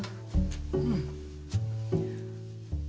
うん。